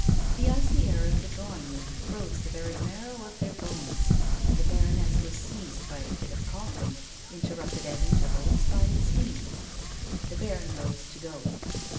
The icy air of the drawing room froze the very marrow of their bones, and the baroness was seized by a fit of coughing, interrupted at intervals by a sneeze. The baron rose to go.